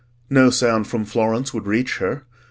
No sound from Florence would reach her.